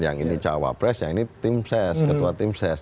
yang ini cawapres yang ini tim ses ketua tim ses